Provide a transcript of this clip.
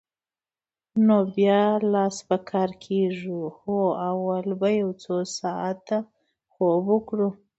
نو بیا لاس په کار کېږو؟ هو، اول به یو څو ساعته خوب وکړو.